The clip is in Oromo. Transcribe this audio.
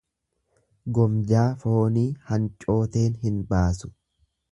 Gomjaa foonii hancooteen hin baasu.